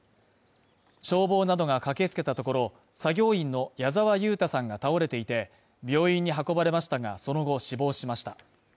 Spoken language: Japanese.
消防などが駆けつけたところ、作業員の谷澤勇太さんが倒れていて病院に運ばれましたがその後死亡しました。